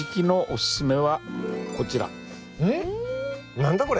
何だこれ？